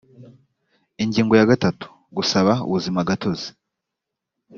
ingingo ya gatatu gusaba ubuzimagatozi